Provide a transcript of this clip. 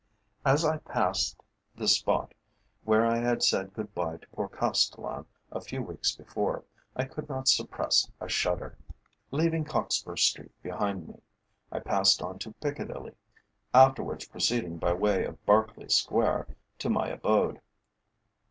As I passed the spot where I had said good bye to poor Castellan a few weeks before, I could not suppress a shudder. Leaving Cockspur street behind me, I passed on to Piccadilly, afterwards proceeding by way of Berkeley Square to my abode.